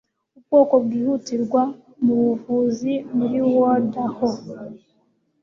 ubwoko bwihutirwa mubuvuzi muri ward aho